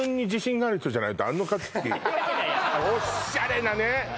おっしゃれなね